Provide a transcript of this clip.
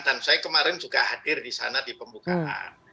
dan saya kemarin juga hadir di sana di pembukaan